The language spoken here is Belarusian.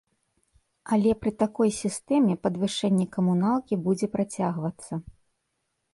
Але пры такой сістэме падвышэнне камуналкі будзе працягвацца.